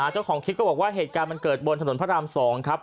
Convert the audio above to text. เจ้าของคลิปก็บอกว่าเหตุการณ์มันเกิดบนถนนพระราม๒ครับ